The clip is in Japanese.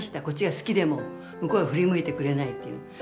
こっちが好きでも向こうが振り向いてくれないっていう。